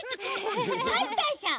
パンタンさん！